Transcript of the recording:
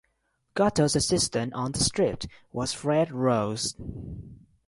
Gotto's assistant on the strip was Fred Rhoads.